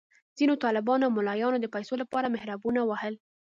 ځینو طالبانو او ملایانو د پیسو لپاره محرابونه وهل.